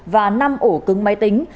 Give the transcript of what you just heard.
và năm ổ cứng máy tính